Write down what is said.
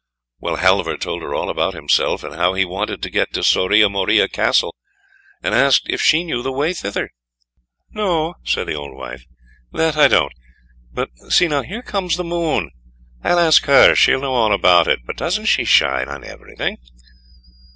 Well, Halvor told her all about himself, and how he wanted to get to Soria Moria Castle, and asked if she knew the way thither. "No," said the old wife, "that I don't, but see now, here comes the Moon, I'll ask her, she'll know all about it, for doesn't she shine on everything?"